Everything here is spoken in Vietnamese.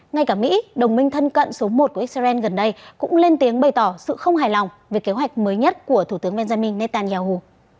ngay cả mỹ đồng minh thân cận số một của israel gần đây cũng lên tiếng bày tỏ sự không hài lòng về kế hoạch mới nhất của thủ tướng benjamin netanyahu